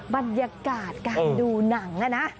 บรรยากาศการดูหนังนะ